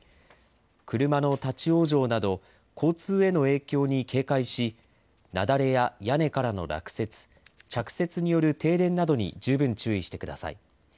車の立往生など交通への影響に警戒し、雪崩や屋根からの落雪、着雪による停電などに十分注意してください。